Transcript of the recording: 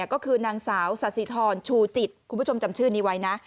ก็คือนางสาวสาธิธรชูจิตคุณผู้ชมจำชื่อนี้ไว้นะ